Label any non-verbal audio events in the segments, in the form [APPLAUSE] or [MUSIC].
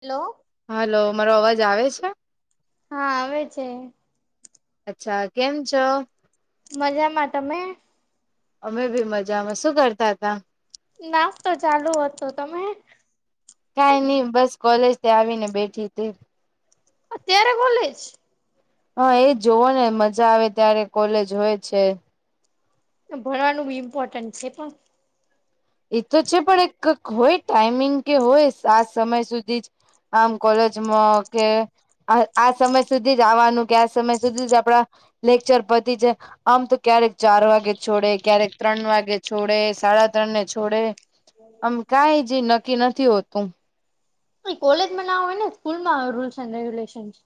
Hello. Hello મારો અવાજ આવે છે? હા આવે છે. અચ્છા કેમ છો? મજામાં તમે? અમે બી મજામાં શું કરતા હતા? નાશતો ચાલુ હત તમે? કઈ નઈ બસ કોલેજ આવી ને બેઠી હતી. હ તે્યારે ભોલે છે. હા એજ જોવો ને મજા આવે ત્યારે કોલેજ હોય છે. ભણવાનું બી ઇમ્પોર્ટન્ટ છે પણ એ તો છે પણ એક હોય ટાઈમિંગ કે હોય આ સમય સુધી જ આમ કોલેજમાં કે આ સમય સુધી જ આવવાનું કે આ સમય સુધી જ આપડા, લેક્ચર પતિ છે. આમ તો ક્યારેક ચાર વાગે છોડે ક્યારેક ત્રણ વાગે છોડે સાડા ત્રણ ને છોડ થોડે, આમ કઈ જ નક્કી નથી હોતું. કોલેજમાં ના હોય ને સ્કૂલમાં રૂલ્સ એડ રેગ્યુલેશનસ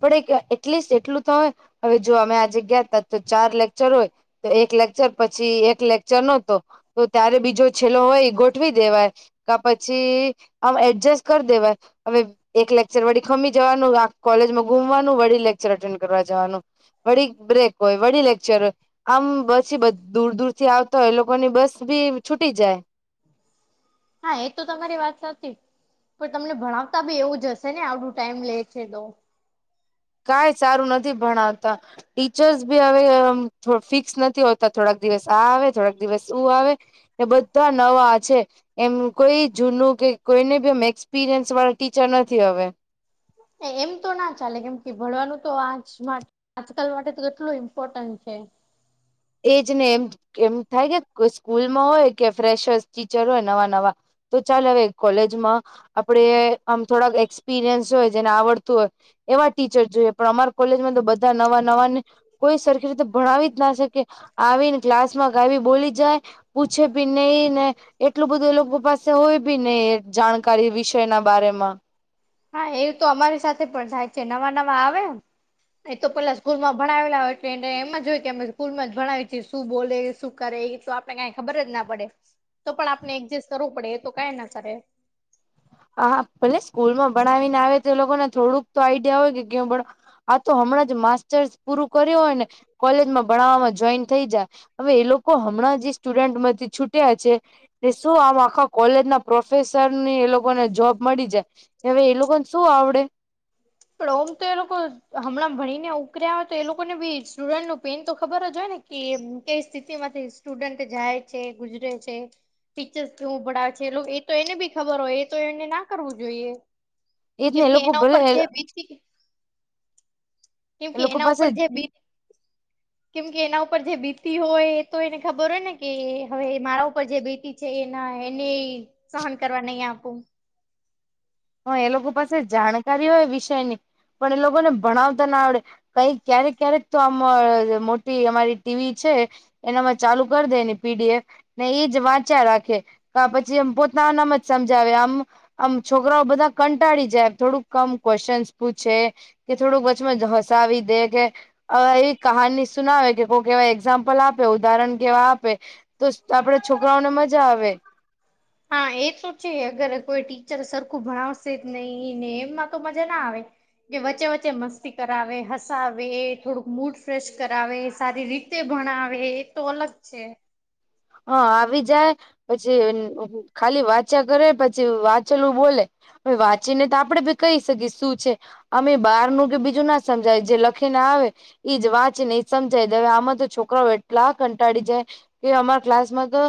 પણ એક એટલીસ્ટ એટલું તો હોય હવે જો અમે આજે ગયા ત તો ચાર લેકચર હોય. તો એક લેકચર પછી એક લેક્ચર નતો. તો ત્યારે બીજો છેલ્લો હોય એ ગોઠવી દેવાય. કે પછી આમ એડજસ્ટ કરી દેવા. હવે એક લેક્ચર વળી ખમી જવાનું આ કોલેજમાં ગુમવાનું વળી લેકચર એટેન્ડ કરવા જવાનું. વડી બ્રેક હોય વડી લેક્ચર હોય. આમ બસ દૂર દૂર થી આવતો હોય એ લોકો ની બસ ભી છૂટી જાય. હા એ તો તમારી વાત સચ પણ તમને ભણાવતા બી એવું જ હશે ને આવડું ટાઈમ લે છે તો. કઈ સારું નથી ભણાવતા, ટીચર્સ ભી હવે ફિક્સ નથી હો થોડાક દિવસ આ આવે થોડાક દિવસ ઉ આવે બધા નવા છે. એમ કોઈ જૂનું કે કોઈને બી એમ એક્સપિરિયન્સ વાળા ટીચર નથી હવે એ એમ તો ના ચાલે કેમ કે ભણવાનું તો આજ માટ આજકાલ માટે તો કેટલું ઇમ્પોર્ટન્ટ છે. એજ ને એમ એમ થાય કે સ્કૂલમાં હોય કે ફ્રેશ ટીચર હોય નવા નવા તો ચાલ હવે કોલેજમાં આપડે આમ થોડાક એક્સપિરિયન્સ હોય જેને આવડતું હોય એવા ટીચર જોઈએ પણ અમારા કોલેજમાં તો બધા નવા નવાને કોઈ સરખી રીતે ભણાવી જ ના શકે આવીને ક્લાસ માં ક આવી બોલી જાય પૂછે પી નઈ ને એટલું બધું એ લોકો પાસે હોય બી ને એ જાણકારી વિષય ના બારેમાં હા એ તો અમારી સાથે પણ થાય છે નવા નવા આવે એ તો પેલા સ્કૂલમાં ભણાવેલા હોય છે એમ જ હોય કે અમે સ્કૂલમાં જ ભણાવીએ શું બોલે શું કરે તો આપણે કાંઈ ખબર જ ના પડે તો પણ આપણે એડજસ્ટ કરવું પડે એ તો કંઈ ના કરે હા ભલે સ્કૂલ માં ભણાવીને આવે તો એ લોકોને થોડુંક તો આઈડિયા હોય કે કે ભણાવ આ તો હમણાં જ માસ્ટર્સ પૂરું કર્યું હોય ને કોલેજમાં ભણાવવામાં જોઈન થઈ જાય હવે એ લોક કોહમણાં જે સ્ટુડન્ટ માંથી છૂટ્યા છે શું આમ આખા કોલેજ ના પ્રોફેસર ની એ લોકોને જોબ મળી જાય હવે એ લોકોને શું આવડે પણ ઓમ તો એ લોકો હમણાં ભણીને ઉર્યા હોય તો એ લોકોને બી સ્ટુડન્ટ ન પેન તો ખબર જ હોય ને કે કઈ સ્થિતિ માંથી સ્ટુડન્ટ જાય છે ગુજરે છે. ટીચર્સ કેવું ભડે છે એલ એ તો એને બી ખબર હોય એ તો એને ના કરવું જોઈએ એજ ને કેમ એ કે લોકો એના ભલે ઉપર જે એ કેમ કે લોકો એના ઉપર પાસે જે બી કેમ કે એના ઉપર જે બીતી હોય એ તો એને ખબર હોય ને કે હવે મારા ઉપર જે બીતી છે એના એને સહન કરવા નહી આપું હ એ લોકો પાસે જાણકારી હોય વિષયની પણ એ લોકોને ભણાવતા ના આવડે કઈ ક્યારેક ક્યારેક તો આમ મોટી અમારી ટીવી છે. એનામાં ચાલુ કરી દે પી ડી એફ ને એ જ વાંચ્યા રાખે પછી એ પોતાનાનામ જ સમજાવે આમ આમ છો કરા બધા કંટાળી જાય થોડુંક કમ ક્વેશ્ચન પૂછે કે થોડુંક વચમાં હસાવી દે કે હવે એવી કહાની સુનાવે કે કો કેવા એક્ઝામ્પલ આપે ઉદાહરણ કેવા આપે તો આપડે છોકરાઓને મજા આવે હા એ તો છે અગર કોઈ ટીચર સરખું ભણાવશે નહી ને એમમાં તો મજા ના આવે કે વચ્ચે વચ્ચે મસ્તી કરાવે હસાવે થોડુંક મૂડ ફ્રેશ કરાવે સારી રીત તે ભણાવે એ તો અલગ છે. હા આવી જાય પછી ખાલી વાંચા કરે પછી વાંચલું બોલે વાંચીને તો આપડે ભી કહી શકીએ શું છે અમે બાર નું કે બીજું ના સમજાય જે લખીને આવે એઈજ વાંચ નહી સમજાય દવે આમાં તો છોકરાઓ એટલા કંટાળ જાય કે અમા ક્લાસ માં તો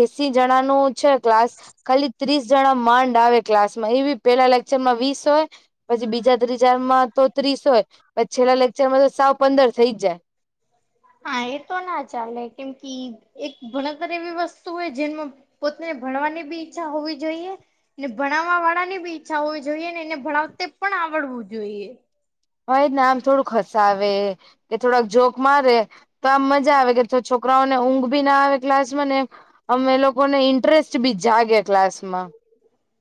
એસી જણાનું છે ક્લાસ ખાલી ત્રીસ જણા માંડ આવે ક્લાસ માં એવી પેલા લેક્ચરમાં વીસ હોય પછી બીજા ત્રીજા ચાર માં તો ત્રીસ હોય પછી છેલ્લા લેકચરમાં તો સાવ પંદર થઈ જ જાય હા એ તો ના ચાલે કેમ કે એક ભણતર એવી વસ્તુ હોય જેમાં પોતેને ભણવાની બી ઈચ્છા હોવી જોઈએ ને ભણાવવા વાળા ની બી ઈચ્છા હોવી જોઈએ ને એને ભણાવતે પણ આવડવું જોઈએ હય ના આમ થોડુંક ખસાવે કે થોડાક જોક મારે તો આમ મજા આવે કે છોકરાઓને ઊંઘ ભી ના આવે ક્લાસ માં ને અમે એ લોકોને ઇન્ટરેસ્ટ બી જાગે ક્લાસ માં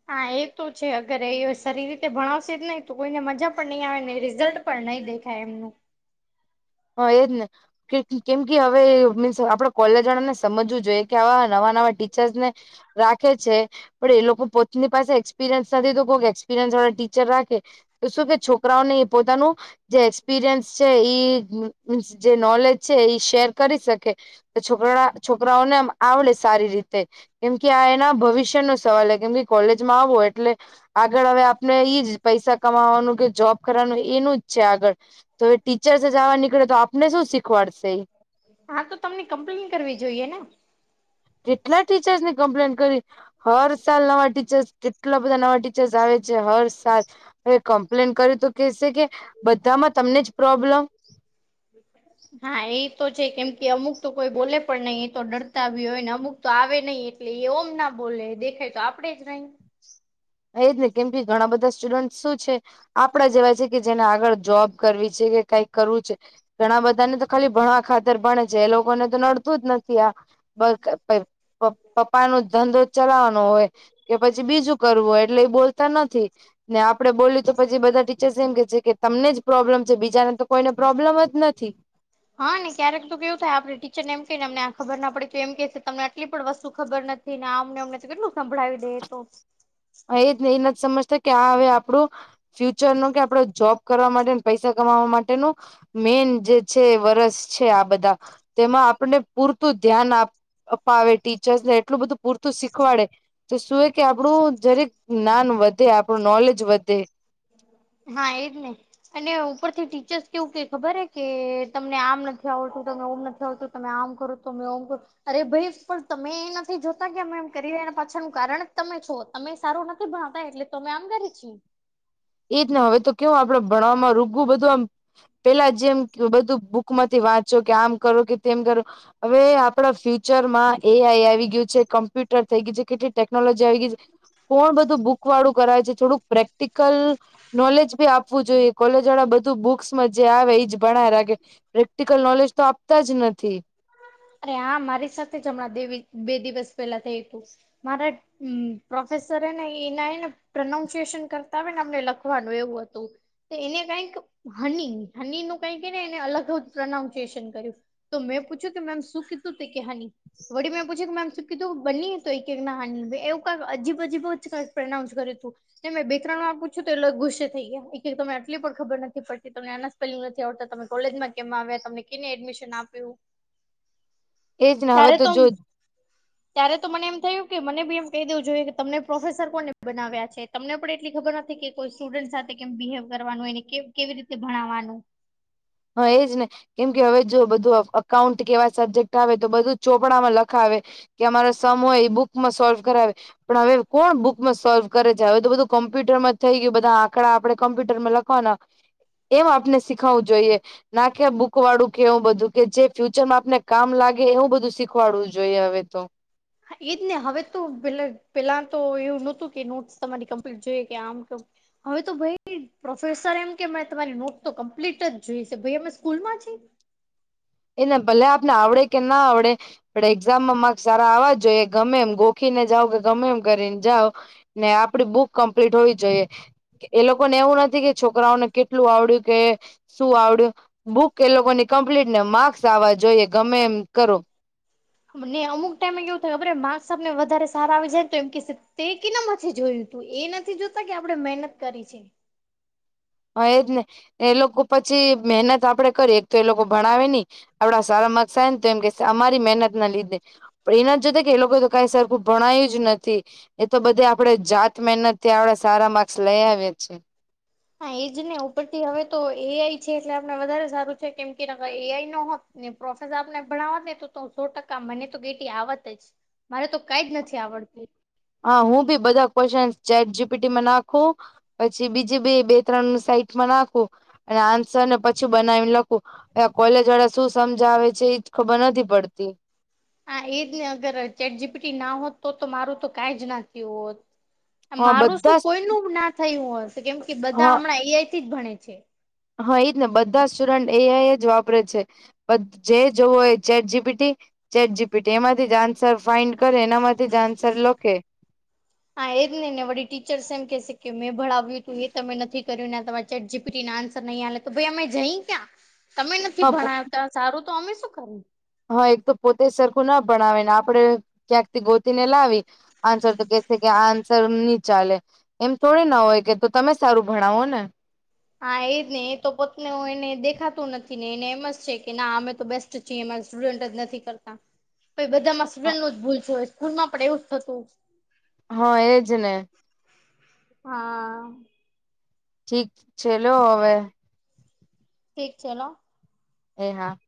હા એ તો છે અગર એ સારી રીતે ભણાવશે જ ની તો કોઈને મજા પણ ની આવે ને રિઝલ્ટ પણ નઈ દેખાય એમનું હ એજ ને કેમ કે હવે મીન્સ આપણે કોલેજ વાળા ને સમજવું જોઈએ કે આવા નવા નવા ટીચર્સને રાખે છે પણ એ લોકો પોતાની પાસે એક્સપિરિયન્સ નથી કો એક્સપિરિયન્સ વાળા ટીચર રાખે તો શું કે છોકરાઓને પોતાનું જે એક્સપિરિયન્સ છે એ મીન્સ જે નોલેજ છે એ શેર કરી શકે છોકરા છોકરાઓને આમ આવડે સારી રીતે કેમ કે આ એના ભવિષ્ય નો સવાલ હ કેમ કે કોલેજમાં આવો એટલે આગળ હવે આપને ઈ જ પૈસા કમાવાનું કે જોબ કરવાનું એનું જ છે આગળ તો એ ટીચરસ જ આવા નીકળે તો આપને શું શીખવાડશે એ હા તો તમને કમ્પ્લેન કરવી જોઈએ ને કેટલા ટીચર્સ ની કમ્પ્લેન કરી હર સાલ નવા ટીચર્સ કેટલા બધા નવા ટી ટીચર આવે છે હરસાલ હવે કમ્પ્લેન કર્યું તો કેશે કે બધામાં તમને જ પ્રોબ્લમ હા એ તો છે કેમ કે અમુક તો કોઈ બોલે પણ નઇ એ તો ડરતા ભી હોય ને અમુક તો આવે ન‌ઇ એટલે એ ઓમ ના બોલે દેખાય તો આપડે જ ન‌ઇ એજ ને કેમ કે ઘણા બધા સ્ટુડન્ટ શું છે આપડા જેવા છે કે જેને આગળ જોબ કરવી છે કે કઈક કરવું છે ઘણા બધા ને તો ખાલી ભણવા ખાતર ભણે છે એ લોકોને તો નડતું જ નથી આ [UNINTELLIGIBLE] પપ્પા નો ધંધો ચલાવવાનો હોય કે પછી બીજું કરવો એટલે એ બોલતા નથી ને આપડે બોલ તો પછી બધા ટીચર્સ એમ કે છે કે તમને જ પ્રોબ્લેમ છે બીજાને તો કોઈને પ્રોબ્લેમ જ નથી હા ને ક્યારેક તો કેવું થાય આપડી ટીચરને એમ કનેમને આ ખબર ના પડી તો એમ કે તમનેટલી પણ વસ્તુ ખબર નથી તે નામ અમને તો કેટલું સંભળાવી દે તો હ એ જ એ નથી સમજતા કે આ હવે આપણું ફ્યુચર નો કે આપડો જોબ કરવા માટે પૈસા કમાવા માટેનું મેન જે છે વર્ષ છે આ બધા તેમાં આપને પૂરતું ધ્યાન આપ અપાવે ટીચર્સ ને એટલું બધું પૂરતું શીખવાડે તો શું એ કે આપણું જરીક જ્ઞાન વધે આપણું નોલેજ વધે હા એજ ને અને ઉપરથી ટીચર્સ કેવું કે ખબર હે કે તમને આમ નથી આવતું તને ઓમ નથી આવતું તમે આમ કરો તમે ઓમ કરો અરે ભાઈ પણ તમે એ નથી જોતા કે અમે એમ કરી રહ્યા એ પાછાનું કારણ જ તમે છો તમે સારું નથી ભણતા એટલે તમે આમ કરે છી એજ ને હવે તો કેવું આપડે ભણવામાં રૂગુ બધું આ પેલા જેમ બધું બુક માંથી વાંચો કે આમ કરો કે તેમ કરો હવે આપણા ફ્યુચરમાં એ આઈ આવી ગયું છે કોમ્પ્યુટર થઈ ગયું છે કેટલી ટેકનોલોજી આવી ગઈ છે કોણ બધું બુક વાળું કરાવે છે થોડુંક પ્રેક્ટિકલ નોલેજ બી આપવું જોઈએ કોલેજ વાળા બધું બુક્સ માં જે આવે એજ ભણાય રાખે પ્રેક્ટિકલ નોલેજ તો આપતા જ નથી અરે હા મારી સાથે જ હમણાં બે વીક બે દિવસ પેલા થયું તું મારે હમ પ્રોફેસર એને એના એને પ્રનાઉન્સિએેશન કરતા આવે ને અમને લખવાનું એવું હતું. તો એને કઈક હની હની નું કઈક હે ને એને અલગ પ્રોનાઉન્સિએેશન કર્યું. તો મેં પૂછ્યું કે મેમ શું કીધું તો કે હની. વડી મેં પૂછ્યું કે મેમ શું કીધું બની તો ઈ કે ના હની એવું કંઈક અજીબ અજીબ પ્રનાઉન્સ કર્યું તું. ત મેં બે ત્રણ વાર પૂછ્યું તો એ લોકો ગુસ્સે થઈ ગયા એક તને આટલી પણ ખબર નથી પડતી તમને આના સ્પેલિંગ નથી આવડતા, તમે કોલેજમાં કેમ આવ્યા, તમને કેને એડમિશન આપ્યું. એજ ને હવે ત્યારે તો જો ત્યારે તો મને એમ થયું કે મને બી એમ કહી દેવું જોઈએ કે તમને પ્રોફેસર કોને બનાવ્યા છે. તમને પણ એટલી ખબર નથી કે કોઈ સ્ટુડન્ટ સાથે કેમ બિહેવ કરવાનું, એને કે કેવી રીતે ભણાવવાનું. હ એજ ને કેમ કે હવે જો બધું અકાઉન્ટ કે એવા સબ્જેક્ટ આવે તો બધું ચોપડામાં લખાવે. કે અમારો સમ હોય એ બુકમાં સોલ્વ કરાવે. પણ હવે કોણ બુકમાં સોલ્વ કરે છે. હવે તો બધું કોમ્પ્યુટરમાં જ થઈ ગયું બધા આંકડા આપણે કમ્પ્યુટરમાં લખ વાના એમ આપને શીખાવું જોઈએ. ના કેે બુક વાળું કે એવું બધું કે જે ફ્યુચરમાં આપને કામ લાગે એવું બધું શીખ શીખવાડવું જોઈએ હવે તો. હા એજ ને હવે તો પેલા પેલા તો એવું નહોતું કે નોટ્સ તમારી કમ્પલીટ જોઈએ કે આમ કે ઓમ હવે તો ભાઈ પ્રોફેસર એમ કે મે તમારી નોટ તો કમ્પ્લીટ જ જોઈ છે ભાઈ અમે સ્કૂલમાં છી. એને ભલે આપને આવડે કે ના આવડે પણ એક્ઝામમાં માર્ક્સ સારા આવવા જોઈએ. ગમે એમ ગોખીને જાવ કે ગમે એમ કરીને જાવ. ને આપણી બુક કમ્પ્લીટ હોવી જોઈએ. એ લોકોને એવું નથી કે છોકરાઓને કેટલું આવડ્યું કે, શું આવડ્યું બુક એ લોકોની કમ્પ્લીટ ને માર્ક્સ આવવા જોઈએ ગમે એમ કરો. ને અમુક ટાઈમે કેવું થાય ખબર માર્ક્સ આપને વધારે સારા આવી જાય ને તો એમ કેસે તે કેના માંથી જોયું. તો એ નથી જોતા કે આપણે મહેનત કરી છે. હા એજ ને એ લોકો પછી મહેનત આપડે કરી એક તો એ લોકો ભણાવે ની. આપણા સારા માર્ક્સ આયા ને તો એમ કેશે અમારી મહેનત ના લીધે. પણ એ નથી જોતા કે એ લોકોએ તો કાઈ સરખું ભણાયું જ નથી. એ તો બધે આપણે જાત મહેનતથી આપણે સારા માર્ક્સ લઈ આવ્યા છે. હા એજ ને ઉપરથી હવે તો એઆઈ છે એટલે આપણે વધારે સારું છે. કેમ કે નકા એઆઈ ન હોત ને પ્રોફેસર આપને ભણાવત ને તો તો સો ટકા મને તો કેટી આવત જ. મારે તો કાઈ જ નથી આવડતું. હા હું બી બધા ક્વેશ્ચન ચેટ જીપીટીમાં નાખું. પછી બીજું બે બે ત્રણ સાઈટમાં નાખું. અને આન્સરને પછી બનાવીને લખું. હવે આ કોલેજ વાળા શું સમજાવે છે એજ ખબર નથી પડતી. હા એજ ને અગર ચેટ જીપટી ના હોત તો તો મારું તો કાઈ જ ના થયું હોત. હા મારું બધા શું જ કોઈનું ના થયું હોત કેમ કે બધા હા હમણાં એઆઈથી જ ભણે છે. હા એજ ને બધા સ્ટુડન્ટ એઆઈ જ વાપરે છે. બધ જે જોવો એ ચેટ જીપીટી ચેટ જીપીટી એમાંથી જ આન્સર ફાઇન્ડ કરે એનામાંથી જ આન્સર લખે. હા એજને ને વળી ટીચર્સ એમ કેશે કે મેં ભણાવ્યું તું એ તમે નથી કર્યું ને આ તમારે ચેટ જીપીટીના આન્સર નહી હાલે તો ભાઈ અમે જઈ ક્યાં? તમે નથી ભણાવતા સારું તો અમે શું કરી. હા એક તો પોતે સરખું ના ભણાવે, ને આપણે ક્યાંકથી ગોતીને લાવી આન્સર તો કેશે કે આ આન્સર ની ચાલે એમ થોડી ના હોય કે તો તમે સારું ભણાવો ને. હા એ જ ને એ તો પોતનુ એને દેખાતું નથી ને એને એમ જ છે કે ના અમે તો બેસ્ટ તે છે માકૅસ સ્ટુડન્ટ જ નથી કરતા. પણ બધા માં સ્ટુડન્ટ નું જ ભૂલ જોવે સ્કૂલમાં પણ એવું થતું. હા એજ ને. હા. ઠીક છે લો હવે. ઠીક છે લો. એ હા.